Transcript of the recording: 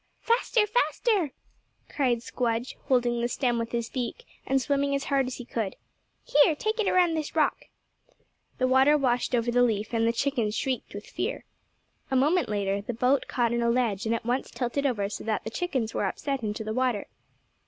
"Faster, faster," cried Squdge, holding the stem with his beak, and swimming as hard as he could. "Here! Take it around this rock." The water washed over the leaf, and the chickens shrieked with fear. A moment later the boat caught on a ledge and at once tilted over so that the chickens were upset into the water.